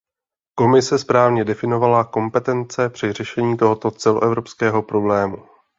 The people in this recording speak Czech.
Komise správně definovala kompetence při řešení tohoto celoevropského problému.